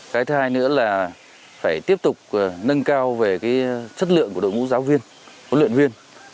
cái thứ hai nữa là phải tiếp tục nâng cao về chất lượng của đội ngũ giáo viên huấn luyện viên